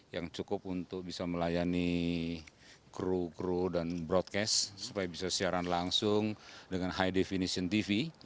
yang cukup untuk bisa melayani kru kru dan broadcast supaya bisa siaran langsung dengan high definition tv